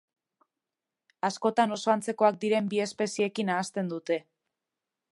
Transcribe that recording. Askotan oso antzekoak diren bi espeziekin nahasten dute.